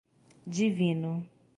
Divino